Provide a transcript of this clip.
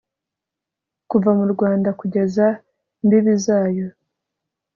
kuva mu rwanda kugeza ku mbibi zayo